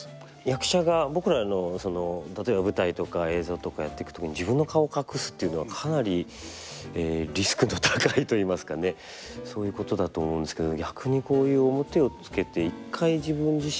役者が僕らの例えば舞台とか映像とかやっていく時に自分の顔隠すっていうのはかなりリスクの高いといいますかねそういうことだと思うんですけど。